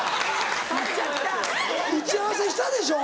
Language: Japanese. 打ち合わせしたでしょ？